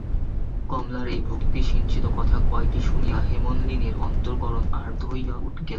কমলার এই ভক্তিসিঞ্চিত কথা কয়টি শুনিয়া হেমনলিনীর অন্তঃকরণ আর্দ্র হইয়া গেল।